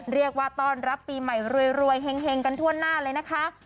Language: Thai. เรียกว่าต้อนรับปีใหม่รวยเฮงกันทั่วหน้าเลยนะคะ